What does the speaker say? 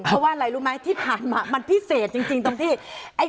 เพราะว่าอะไรรู้ไหมที่ผ่านมามันพิเศษจริงตรงที่